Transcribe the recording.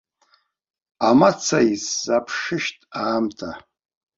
Амаца исзаԥшышт аамҭа.